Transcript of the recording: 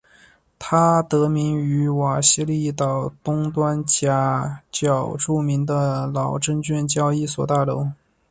它得名于瓦西里岛东端岬角著名的老证券交易所大楼。